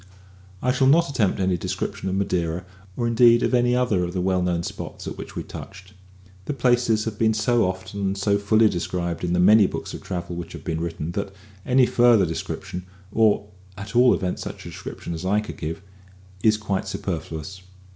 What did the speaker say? I shall not attempt any description of Madeira, or indeed of any other of the well known spots at which we touched. The places have been so often and so fully described in the many books of travel which have been written, that any further description, or at all events such description as I could give, is quite superfluous.